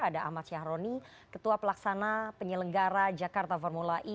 ada ahmad syahroni ketua pelaksana penyelenggara jakarta formula e